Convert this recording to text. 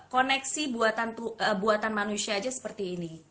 koneksi buatan manusia aja seperti ini